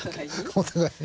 お互いに。